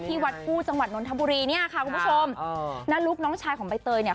วัดคู่จังหวัดนนทบุรีเนี่ยค่ะคุณผู้ชมนลุกน้องชายของใบเตยเนี่ย